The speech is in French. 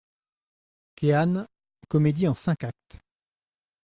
=Kean.= Comédie en cinq actes.